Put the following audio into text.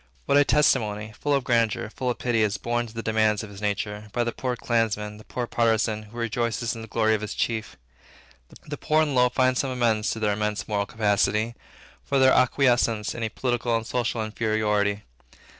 What a testimony, full of grandeur, full of pity, is borne to the demands of his own nature, by the poor clansman, the poor partisan, who rejoices in the glory of his chief. The poor and the low find some amends to their immense moral capacity, for their acquiescence in a political and social inferiority.